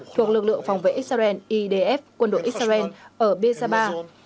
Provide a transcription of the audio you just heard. thuộc lực lượng phòng vệ israel idf quân đội israel ở bezabah